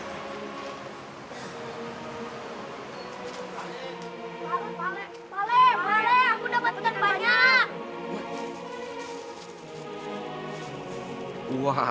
pahle pahle aku dapat ikan banyak